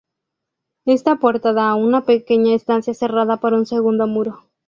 Esta puerta da a una pequeña estancia cerrada por un segundo muro.